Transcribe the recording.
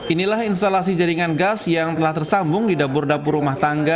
inilah instalasi jaringan gas yang telah tersambung di dapur dapur rumah tangga